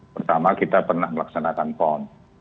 pertama kita pernah melaksanakan pon